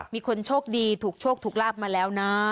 มีคนโชคดีถูกโชคถูกลาบมาแล้วนะ